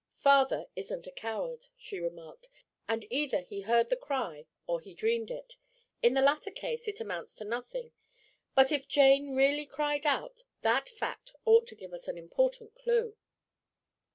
"Father isn't a coward," she remarked, "and either he heard the cry, or he dreamed it. In the latter case it amounts to nothing; but if Jane really cried out, that fact ought to give us an important clue."